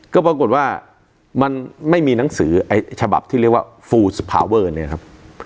ก็ปรากฏว่ามันไม่มีหนังสือฉบับที่เรียกว่าฟูสภาเวอร์เนี่ยนะครับ